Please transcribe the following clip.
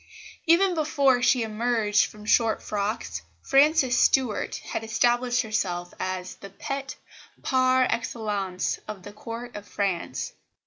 Even before she emerged from short frocks, Frances Stuart had established herself as the pet par excellence of the Court of France.